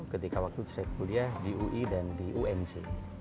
ketika waktu itu saya kuliah di ui dan di unc